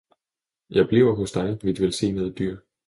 Jeg bliver hos dig, mit velsignede dyr!